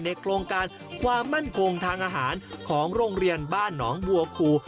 โครงการความมั่นคงทางอาหารของโรงเรียนบ้านหนองบัวคู